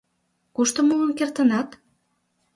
Кушто муын кертынат?